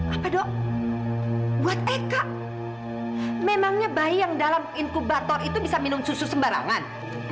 apa dok buat eka memangnya bayi yang dalam inkubator itu bisa minum susu sembarangan